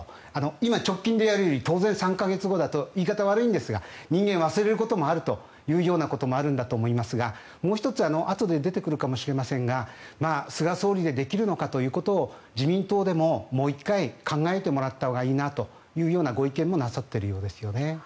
今、直近でやるより当然、３か月後だと言い方は悪いんですが人間、忘れることもあるんだということもあると思いますがもう１つ、あとで出てくるかもしれませんが菅総理でできるのかということを自民党でももう１回、考えてもらったほうがいいなというご意見もなさっているようですね。